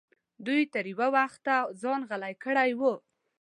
دوی تر یو وخته ځان غلی کړی و.